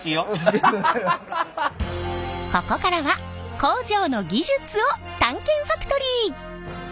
ここからは工場の技術を探検ファクトリー！